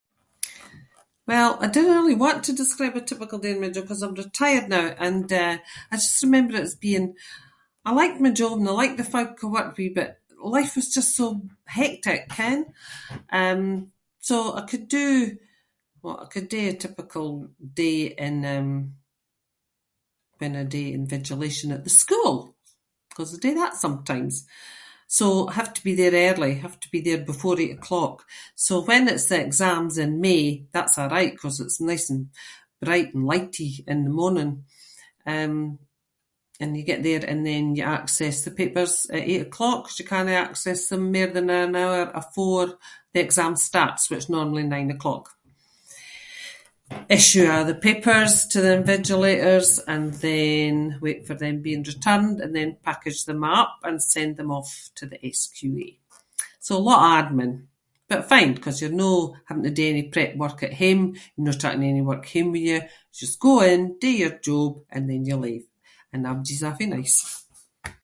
Well, I dinna really want to describe a typical day in my job because I’m retired now and, eh, I just remember it as being- I liked my job and I like the folk I work with but life was just so hectic, ken? Um, so I could do- well, I could do a typical day in, um, when I do invigilation at the school because I do that sometimes. So, I have to be there early, I have to be there before eight o’ clock. So when it’s the exams in May, that’s alright because it’s nice and bright and lightie in the morning, um, and you get there and then you access the papers at eight o’ clock because you cannae access them mair than an hour afore the exam starts which is normally nine o’ clock. Issue a’ the papers to the invigilators and then wait for them being returned and then package them a’ up and send them off to the SQA, so a lot of admin but fine ‘cause you’re no having to do any prep work at home, you’re no taking any work home with you. You just go in, do your job and then you leave and abody’s awfu' nice.